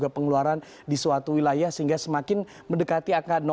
pengeluaran di suatu wilayah sehingga semakin mendekati angka